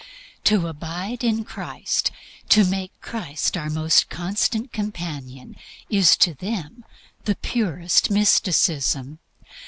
To "abide" in Christ, to "make Christ our most constant companion," is to them the purest mysticism.